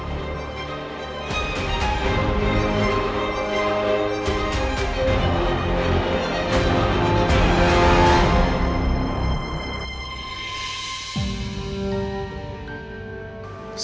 saya akan mengerti